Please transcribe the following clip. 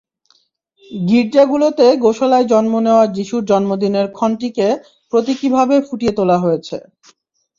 গির্জাগুলোতে গোশালায় জন্ম নেওয়া যিশুর জন্মদিনের ক্ষণটিকে প্রতীকীভাবে ফুটিয়ে তোলা হয়েছে।